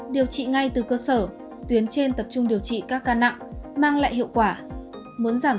điều trị ngay từ cơ sở tuyến trên tập trung điều trị các ca nặng mang lại hiệu quả muốn giảm